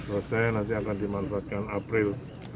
rasaan nanti akan dimanfaatkan april dua ribu dua puluh tiga